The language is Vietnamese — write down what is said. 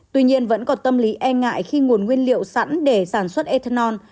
tuy nhiên vẫn còn tâm lý e ngại khi nguồn nguyên liệu sẵn để sản xuất ethanol